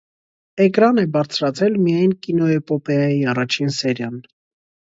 Էկրան է բարձրացել միայն կինոէպոպեայի առաջին սերիան։